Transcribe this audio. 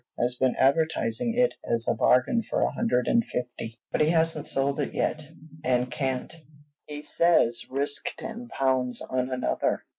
has been advertising it as a bargain for a hundred and fifty. But he hasn't sold it yet, and can't, he says, risk ten pounds on another.